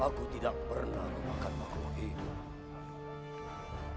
aku tidak pernah memakan makhluk hidup